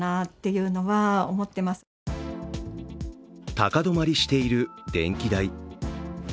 高止まりしている電気代。